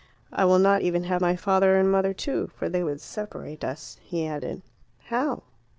I will not even have my father and mother too. For they would separate us," he added. "How?"